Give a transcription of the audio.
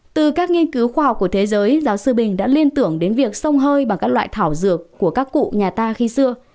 từ các nghiên cứu khoa học của thế giới giáo sư bình đã liên tưởng đến việc sông hơi bằng các loại thảo dược của các cụ nhà ta khi xưa